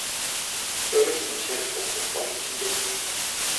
Борисын шарилд босгох боломжийн дээд хөшөө.